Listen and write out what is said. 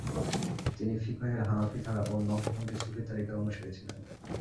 তিনি ফিকহের হানাফি ধারা ও নকশবন্দি সুফি তরিকার অনুসারী ছিলেন।